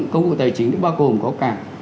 công cụ tài chính nó bao gồm có cả